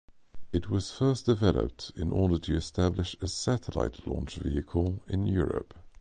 It was first developed in order to establish a satellite launch vehicle for Europe.